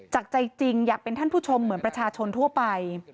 ใจจริงอยากเป็นท่านผู้ชมเหมือนประชาชนทั่วไป